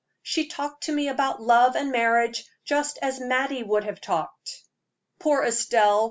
She talked to me about love and marriage, just as Mattie would have talked." "Poor Estelle!"